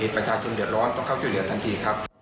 ภาคแพทย์ชนเกลือดร้อนต้องเข้าเสียเหลือทั้งที